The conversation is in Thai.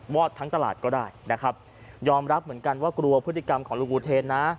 อดทั้งตลาดก็ได้นะครับยอมรับเหมือนกันว่ากลัวพฤติกรรมของลุงอุเทนนะ